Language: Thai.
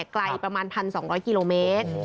ไกลประมาณ๑๒๐๐กิโลเมตร